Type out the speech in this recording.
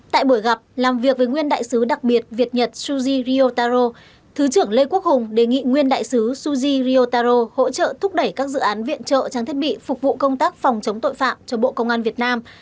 tại buổi gặp làm việc với nguyên đại sứ đặc biệt việt nhật suzy ryotaro thứ trưởng lê quốc hùng đề nghị nguyên đại sứ suzy ryotaro hỗ trợ thúc đẩy các dự án viện trợ trang thiết bị phục vụ công tác phòng chống tội phạm cho bộ công an việt nam